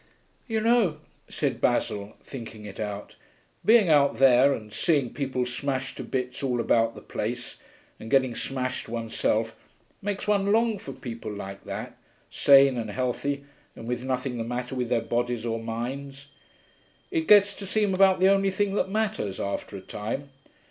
'You know,' said Basil, thinking it out, 'being out there, and seeing people smashed to bits all about the place, and getting smashed oneself, makes one long for people like that, sane and healthy and with nothing the matter with their bodies or minds. It gets to seem about the only thing that matters, after a time.'